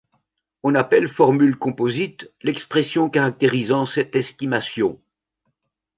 On appelle formule composite l’expression caractérisant cette estimation.